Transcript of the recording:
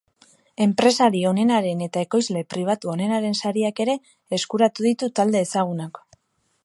Enpresari onenaren eta ekoizle pribatu onenaren sariak ere eskuratu ditu talde ezagunak.